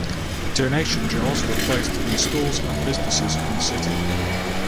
Donation jars were placed in stores and businesses in the city.